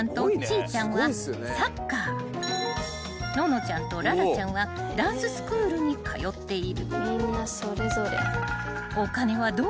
［埜乃ちゃんと愛々ちゃんはダンススクールに通っている］